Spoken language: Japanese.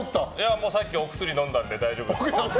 さっきお薬飲んだので大丈夫です。